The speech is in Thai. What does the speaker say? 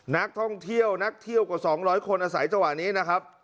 นักท่องเที่ยวนักเที่ยวกว่า๒๐๐คนอาศัยจังหวะนี้นะครับ